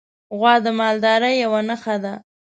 غوا د مالدارۍ یوه نښه ده.